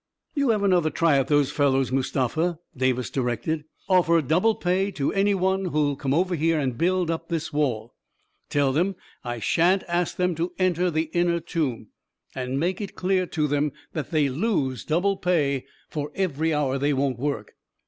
" You have another try at those fellows, Mus tafa," Davis directed. " Offer double pay to any who will come over here and build up this wall. Tell them I shan't ask them to enter the inner tomb. 33* A KING IN BABYLON And make it clear to them that they lose double pay for every hour they won't work."